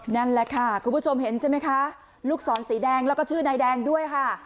นั่นแหละค่ะคุณผู้ชมเห็นใช่ไหมคะลูกศรสีแดงแล้วก็ชื่อนายแดงด้วยค่ะ